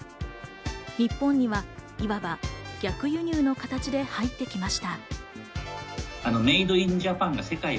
日本には今は逆輸入の形で入ってきました。